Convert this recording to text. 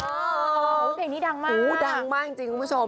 โอ้โหเพลงนี้ดังมากดังมากจริงคุณผู้ชม